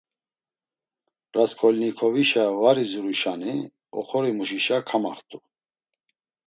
Rasǩolnikovişa var iziruşani, oxorimuşişa kamaxt̆u.